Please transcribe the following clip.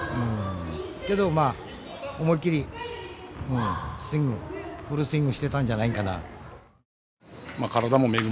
けどまあ思いっきりスイングフルスイングしてたんじゃないかな。